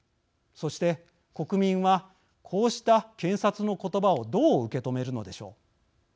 そして国民はこうした検察の言葉をどう受け止めるのでしょう。